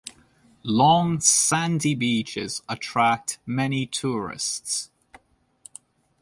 Long sandy beaches attract many tourists.